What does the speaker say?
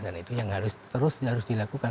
dan itu yang harus terus dilakukan